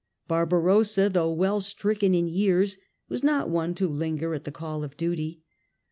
Barbarossa, though well stricken in years, was not one to linger at the call of duty.